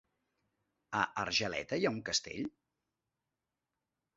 A Argeleta hi ha un castell?